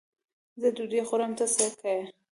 زه ډوډۍ خورم؛ ته څه که یې.